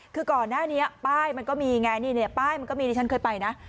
คือก่อนหน้านี้ป้ายมันก็มีไงป้ายมันก็มีฉันเคยไปนะ